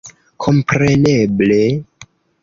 Kompreneble...